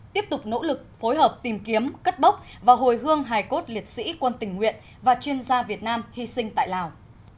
tiếp tục nỗ lực phối hợp tìm kiếm cất bốc và hồi hương hài cốt liệt sĩ quân tình nguyện và chuyên gia việt nam hy sinh tại lào